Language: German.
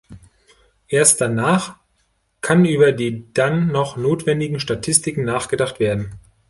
Erst danach kann über die dann noch notwendigen Statistiken nachgedacht werden.